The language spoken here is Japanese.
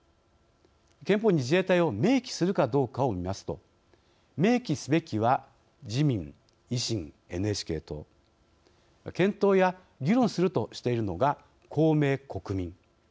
憲法に自衛隊を明記するかどうかを見ますと明記すべきは自民・維新・ＮＨＫ党検討や議論するとしているのが公明・国民。